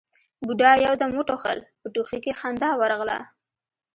بوډا يو دم وټوخل، په ټوخي کې خندا ورغله: